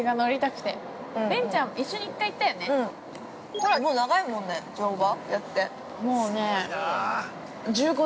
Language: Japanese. ◆トラ、もう長いもんね乗馬やって。